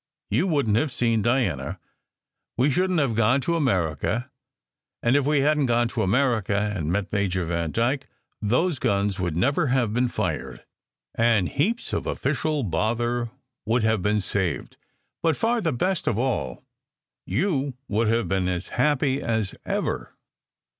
You wouldn t have seen Diana; we shouldn t have gone to America, and if we hadn t gone to America, and met Major Vandyke, those guns would never have been fired, and heaps of official bother would have been saved. But far the best of all, you would have been as happy as ever!"